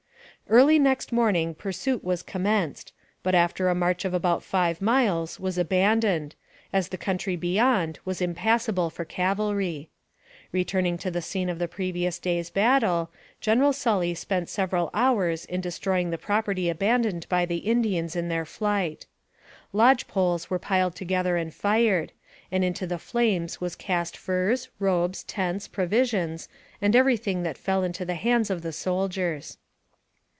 Early next morning pursuit was commenced, but after a march of about five miles was abandoned, as the country beyond was impassable for cavalry. Return ing to the scene of the previous day's battle, General Sully spent several hours in destroying the property abandoned by the Indians in their flight. Lodge poles were piled together and fired, and into the flames was cast furs, robes, tents, provisions, and every thing that fell into the hands of the soldiers.